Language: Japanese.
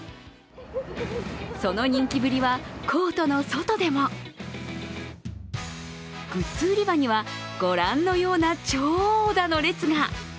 その人気ぶりはコートの外でもグッズ売り場には、ご覧のような長蛇の列が。